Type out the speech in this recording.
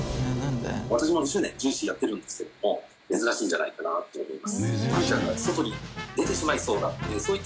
私も２０年獣医師やってるんですけども珍しいんじゃないかなと思います。